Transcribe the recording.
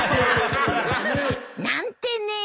何てね。